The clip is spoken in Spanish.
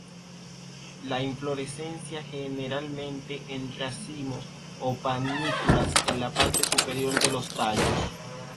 La inflorescencia generalmente en racimos o panículas en la parte superior de los tallos.